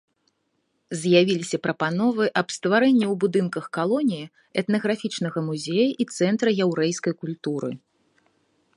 З'явіліся прапановы аб стварэнні ў будынках калоніі этнаграфічнага музея і цэнтра яўрэйскай культуры.